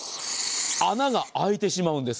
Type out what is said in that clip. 穴が開いてしまうんです。